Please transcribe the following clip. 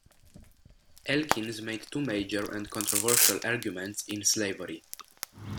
Elkins made two major, and controversial, arguments in "Slavery".